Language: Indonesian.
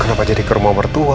kenapa jadi ke rumah mertua